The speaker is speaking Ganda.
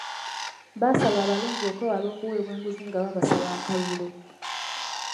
Baasaba abalonzi okwewala okuweebwa enguzi nga babasaba akalulu.